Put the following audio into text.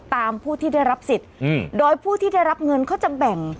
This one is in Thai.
ผู้ที่ได้รับสิทธิ์โดยผู้ที่ได้รับเงินเขาจะแบ่ง